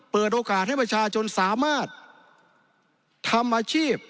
เปิดโอกาสให้ประชาชนสามารถทำอาชีพ